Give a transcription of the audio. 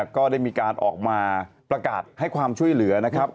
ก็ได้มีการออกมาประกาศให้ความช่วยเหลือนะครับ